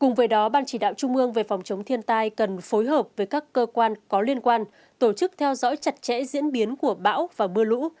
cùng với đó ban chỉ đạo trung ương về phòng chống thiên tai cần phối hợp với các cơ quan có liên quan tổ chức theo dõi chặt chẽ diễn biến của bão và mưa lũ